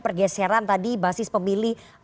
pergeseran tadi basis pemilih